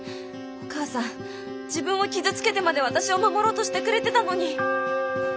お母さん自分を傷つけてまで私を守ろうとしてくれてたのに。